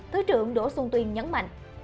thứ trưởng đỗ xuân tuyên nhấn mạnh